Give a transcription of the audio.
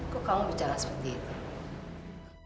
kok kamu bicara seperti itu